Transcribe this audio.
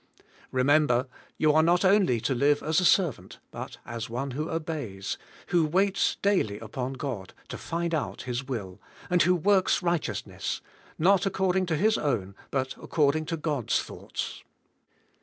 Remem ber, you are not only to live as a servant but as one who obeys^ who waits daily upon God to find out His will, and who works righteousness, not accord ing to his own but according to God's thoughts.